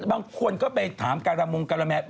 บางคนก็ไปถามการมงการาแมน